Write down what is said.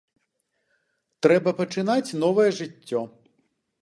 Трэба пачынаць новае жыццё.